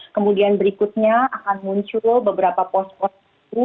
kemudian berikutnya akan muncul beberapa pos pos